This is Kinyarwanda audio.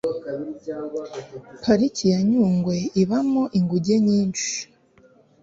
pariki ya nyungwe ibamo inguge nyinshi